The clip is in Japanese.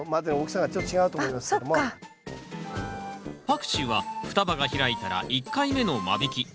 パクチーは双葉が開いたら１回目の間引き。